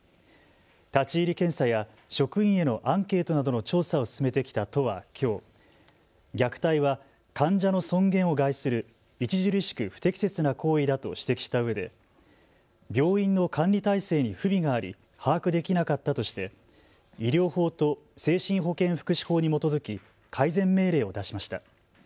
立ち入り検査や職員へのアンケートなどの調査を進めてきた都はきょう虐待は患者の尊厳を害する著しく不適切な行為だと指摘したうえで、病院の管理体制に不備があり把握できなかったとして医療法と精神保健福祉法に基づき改善命令を出しました。